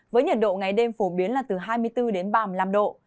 với nhiệt độ ngày đêm phổ biến là từ hai mươi bốn đến ba mươi năm độ